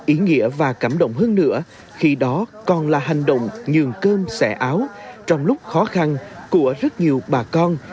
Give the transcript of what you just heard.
ý nghĩa và cảm động hơn nữa khi đó còn là hành động nhường cơm xẻ áo trong lúc khó khăn của rất nhiều bà con